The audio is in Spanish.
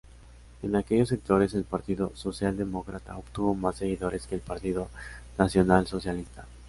En aquellos sectores el Partido Socialdemócrata obtuvo más seguidores que el Partido Nacionalsocialista.